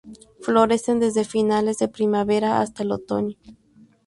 Florece desde finales de primavera hasta el otoño.